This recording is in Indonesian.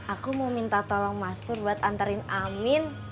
aku mau minta tolong mas pur buat anterin amin